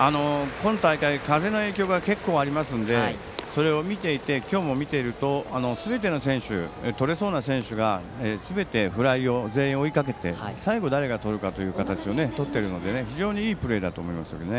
今大会、風の影響が結構、ありますので今日も見ているととれそうな選手がすべてフライを全員、追いかけて最後、誰がとるかという形をとっているので非常にいいプレーだと思います。